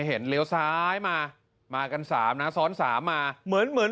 เลี้ยวซ้ายมามากันสามนะซ้อนสามมาเหมือนเหมือน